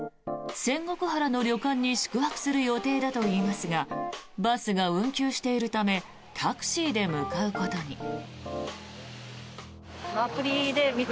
仙石原の旅館に宿泊する予定だといいますがバスが運休しているためタクシーで向かうことに。